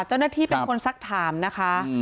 เจ้าหน้าที่เป็นคนสักถามนะคะ